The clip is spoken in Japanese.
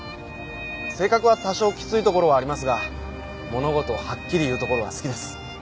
性格は多少きついところはありますが物事をはっきり言うところは好きです。